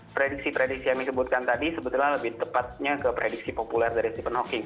prediksi prediksi yang disebutkan tadi sebetulnya lebih tepatnya ke prediksi populer dari stephen hawking